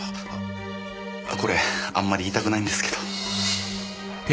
これあんまり言いたくないんですけど。